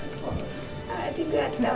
ありがとう。